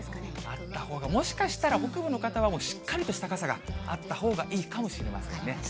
あったほうが、もしかしたら北部の方はもうしっかりとした傘があったほうがいいかもしれませんね。